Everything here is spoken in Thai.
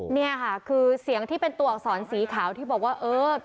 นี่ค่ะคือเสียงที่เป็นตัวอักษรสีขาวที่บอกว่าเออ